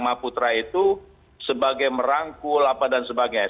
bintang maputra itu sebagai merangkul apa dan sebagainya